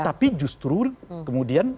tapi justru kemudian